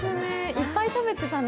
いっぱい食べてたね。